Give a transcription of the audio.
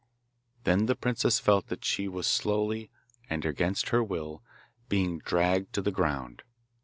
Then the princess felt that she was slowly, and against her will, being dragged to the ground.